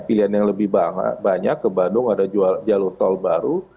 pilihan yang lebih banyak ke bandung ada jalur tol baru